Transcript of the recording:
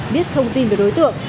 biết thông tin về đối tượng